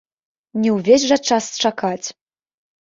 Не ўвесь жа час чакаць.